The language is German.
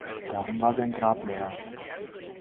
Darum war sein Grab leer.